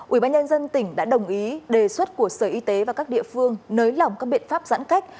ubnd tỉnh đã đồng ý đề xuất của sở y tế và các địa phương nới lỏng các biện pháp giãn cách